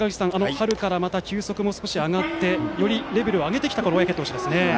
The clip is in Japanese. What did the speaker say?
春から球速も少し上がってよりレベルを上げてきた小宅投手ですね。